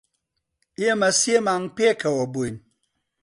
ئێمە سێ مانگ پێکەوە بووین.